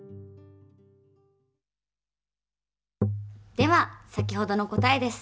では先ほどの答えです。